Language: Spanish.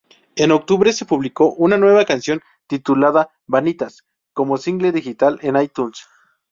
En octubre se publicó una nueva canción titulada "Vanitas" como single digital en iTunes.